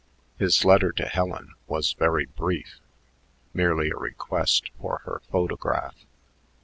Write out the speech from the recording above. His letter to Helen was very brief, merely a request for her photograph.